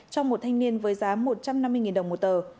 cho một thanh niên với giá một trăm năm mươi đồng một tờ